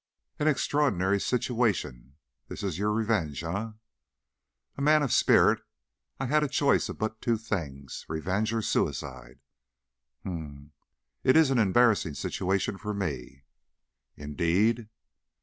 "An extraordinary situation! This is your revenge, eh?" "As a man of spirit, I had a choice of but two things, revenge or suicide." "Hm m! It is an embarrassing situation for me." "Indeed?"